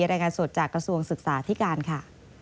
รายงานสดจากกระทรวงศึกษาที่การค่ะ